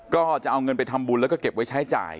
ก็จะเอาเงินไปทำบุญแล้วก็เก็บไว้ใช้จ่าย